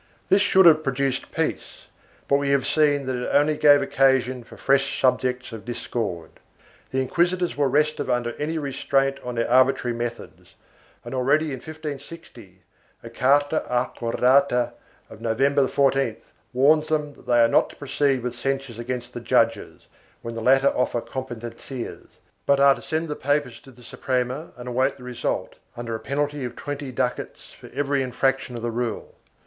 This should have produced peace but we have seen that it only gave occasion for fresh subjects of discord. The inquisitors were restive under any restraint on their arbitrary methods and already in 1560, a carta acordada of November 14th warns them that they are not to proceed with censures against the judges, when the latter offer competencias, but are to send the papers to the Suprema and await the result, under a penalty of twenty ducats for every infraction of the rule.